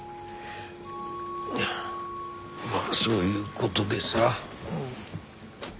まあそういうごどでさ。